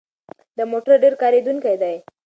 دا موټر ډېر کارېدونکی دی.